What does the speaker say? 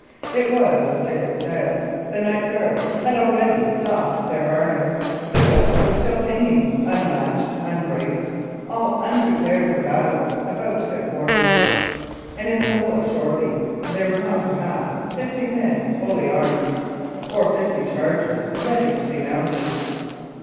It was as Dick had said. The night guard had already doffed their harness; the rest were still hanging unlatched, unbraced, all unprepared for battle about their quarters; and in the whole of Shoreby there were not, perhaps, fifty men full armed, or fifty chargers ready to be mounted.